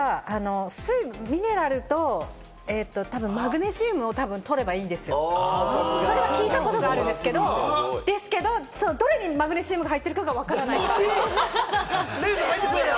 ミネラルとマグネシウムをたぶんとればいいんですよ、それは聞いたことがあるんですけれども、ですけれど、どれにマグネシウムが入ってるのかがわからないんですよ。